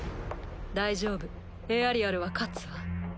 大丈夫エアリアルは勝つわ。